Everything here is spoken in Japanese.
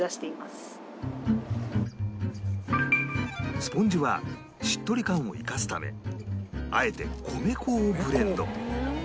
スポンジはしっとり感を生かすためあえて米粉をブレンド